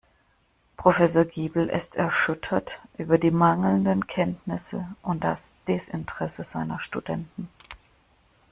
Professor Giebel ist erschüttert über die mangelnden Kenntnisse und das Desinteresse seiner Studenten.